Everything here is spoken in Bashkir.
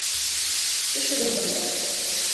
Төшөгөҙ бында!